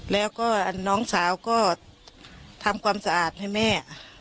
แล้วก็น้องสาวก็ทำความสะอาดให้แม่